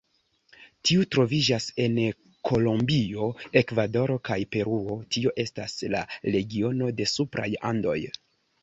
Tiu troviĝas en Kolombio, Ekvadoro kaj Peruo, tio estas la regiono de supraj Andoj.